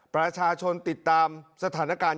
ประชาชนติดตามสถานการณ์